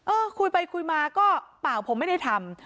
เออคุยไปคุยมาก็เปล่าผมไม่ได้ทำ